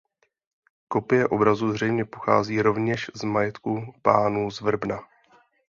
Kopie obrazu zřejmě pochází rovněž z majetku pánů z Vrbna.